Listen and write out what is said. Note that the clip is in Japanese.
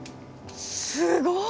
すごい！